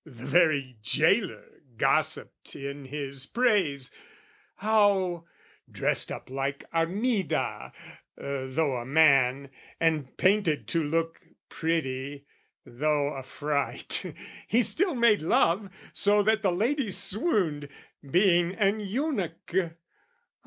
The very jailor gossiped in his praise How, dressed up like Armida, though a man; And painted to look pretty, though a fright, He still made love so that the ladies swooned, Being an eunuch.